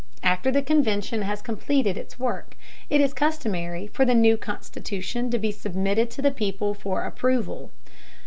After the convention has completed its work, it is customary for the new constitution to be submitted to the people for approval.